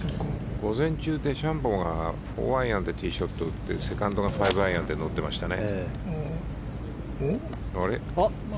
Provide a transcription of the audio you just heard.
午前中、デシャンボーが４アイアンでティーショット打ってセカンドが５アイアンで乗ってましたね。